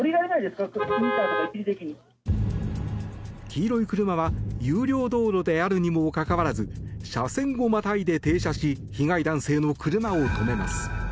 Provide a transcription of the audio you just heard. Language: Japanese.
黄色い車は有料道路であるにもかかわらず車線をまたいで停車し被害男性の車を止めます。